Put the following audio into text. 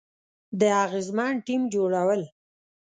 د اغیزمن ټیم جوړول،